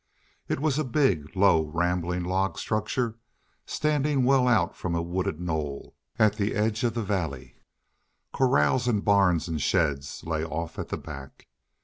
It was a big, low, rambling log structure standing well out from a wooded knoll at the edge of the valley. Corrals and barns and sheds lay off at the back.